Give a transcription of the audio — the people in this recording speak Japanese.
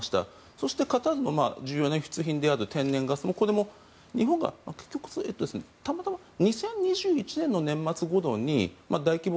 そして、カタールの重要な輸出品である天然ガスもこれも日本が結局たまたま２０２１年の年末ごろに大規模。